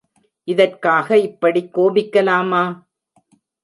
இதற்காக இப்படிக் கோபிக்கலாமா?